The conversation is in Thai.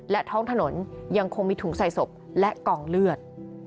และท้องถนนยังคงมีถุงใส่ศพและกองเลือด